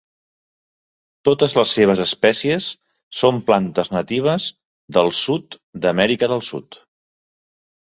Totes les seves espècies són plantes natives del sud d'Amèrica del Sud.